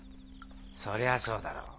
そりゃそうだろう